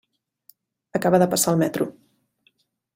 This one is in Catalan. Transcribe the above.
Acaba de passar el metro.